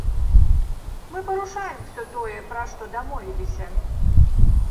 Мы парушаем усё тое, пра што дамовіліся.